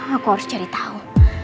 aku harus cari tau